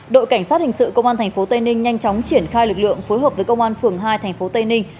đội cảnh sát hình sự công an tp tây ninh nhanh chóng triển khai lực lượng phối hợp với công an phường hai tp tây ninh